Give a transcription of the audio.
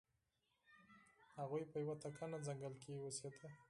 هغوی په یو تکنه ځنګل کې اوسیده.